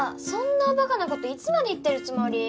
そんなおバカな事いつまで言ってるつもり？